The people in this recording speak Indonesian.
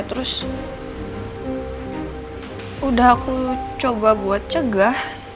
terus udah aku coba buat cegah